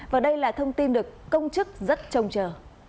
và đây là thông tin được công chức rất trông chờ